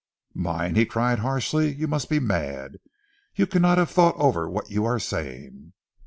"Mine!" he cried harshly. "You must be mad. You cannot have thought over what you are saying."